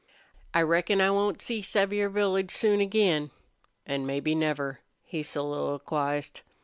"I reckon I won't see Sevier Village soon again an' maybe never," he soliloquized.